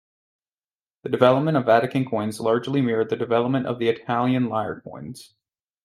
The development of Vatican coins largely mirrored the development of the Italian lire coins.